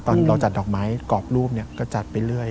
ตอนเราจัดดอกไม้กรอบรูปก็จัดไปเรื่อย